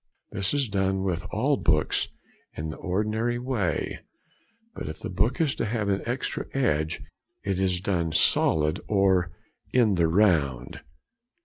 This is done with all books in the ordinary way, but if the book is to have an extra edge, it is done "solid" or "in the round."